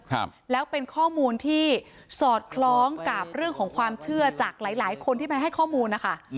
ครับแล้วเป็นข้อมูลที่สอดคล้องกับเรื่องของความเชื่อจากหลายหลายคนที่มาให้ข้อมูลนะคะอืม